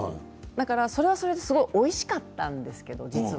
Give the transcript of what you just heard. それはそれですごいおいしかったんです、実は。